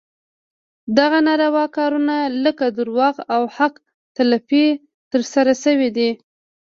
دغه ناروا کارونه لکه دروغ او حق تلفي ترسره شوي دي.